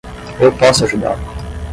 Eu posso ajudá-lo!